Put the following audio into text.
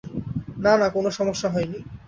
না না, কোনো সমস্যা হয়নি।